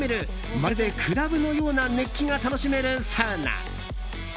まるでクラブのような熱気が楽しめるサウナ。